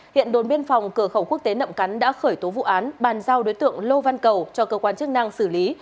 hiện đồn biên phòng cửa khẩu quốc tế nậm cắn đã khởi tố vụ án bàn giao đối tượng lô văn cầu cho cơ quan chức năng xử lý